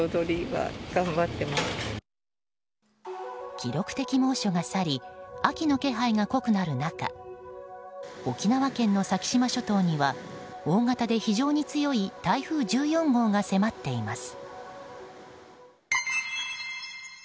記録的猛暑が去り秋の気配が濃くなる中沖縄県の先島諸島には大型で非常に強い台風１４号が迫っています。